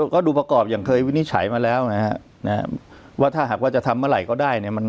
ก็ดูประกอบอย่างเคยวินิจฉัยมาแล้วนะฮะว่าถ้าหากว่าจะทำเมื่อไหร่ก็ได้เนี่ย